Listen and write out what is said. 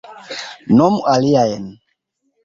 Nomu aliajn!